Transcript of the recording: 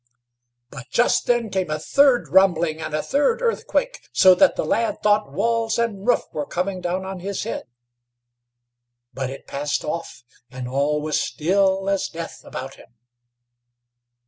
But just then came a third rumbling, and a third earthquake, so that the lad thought walls and roof were coming down on his head; but it passed off, and all was still as death about him.